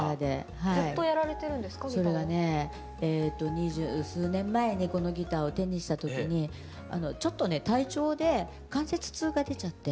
二十数年前にこのギターを手にした時にちょっとね体調で関節痛が出ちゃって。